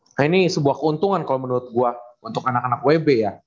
nah ini sebuah keuntungan kalau menurut gue untuk anak anak wb ya